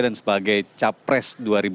dan sebagai capres dua ribu dua puluh empat